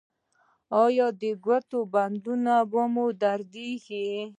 ایا د ګوتو بندونه مو دردیږي؟